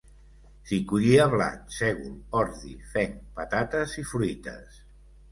S'hi collia blat, sègol, ordi, fenc, patates i fruites.